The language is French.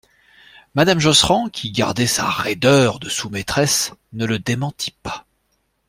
Madame Josserand, qui gardait sa raideur de sous-maîtresse, ne le démentit pas.